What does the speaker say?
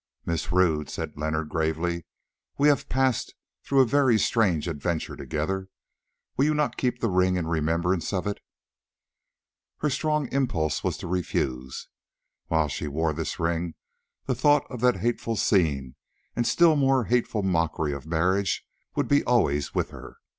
"Miss Rodd," said Leonard gravely, "we have passed through a very strange adventure together; will you not keep the ring in remembrance of it?" Her strong impulse was to refuse. While she wore this ring the thought of that hateful scene and still more hateful mockery of marriage would be always with her.